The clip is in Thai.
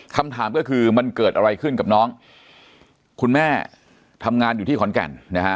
คำถามก็คือมันเกิดอะไรขึ้นกับน้องคุณแม่ทำงานอยู่ที่ขอนแก่นนะฮะ